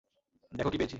দেখো কি পেয়েছি!